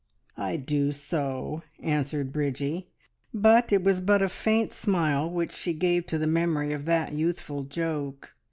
"I do so," answered Bridgie, but it was but a faint smile which she gave to the memory of that youthful joke.